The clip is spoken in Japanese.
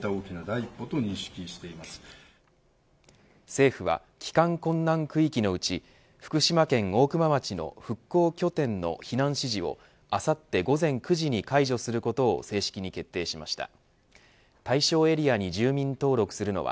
政府は帰還困難区域のうち福島県大熊町の復興拠点の避難指示をあさって午前９時に解除することを正式に決定しました。